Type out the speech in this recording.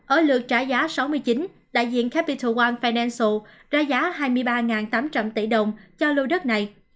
ở lượt trả giá sáu mươi chín đại diện capital wal finance ra giá hai mươi ba tám trăm linh tỷ đồng cho lô đất này